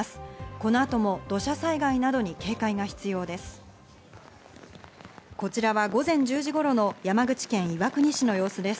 この後も土砂災害などに警戒が必要です。